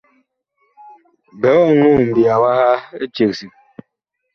Biig ɔŋɔɔ mbiya waha eceg sig.